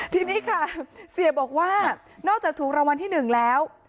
ทีนี้ค่ะเสียบอกว่านอกจากถูกรางวัลที่๑แล้ว